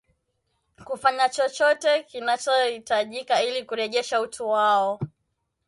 kufanya chochote kinachohitajika ili kurejesha utu wao